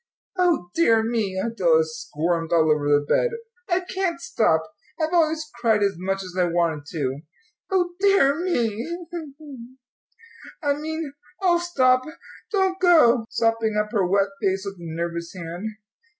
"O dear me." Adela squirmed all over the bed. "I can't stop I've always cried as much as I wanted to. O dear me boo hoo hoo! I mean I'll stop, don't go " sopping up her wet face with a nervous hand.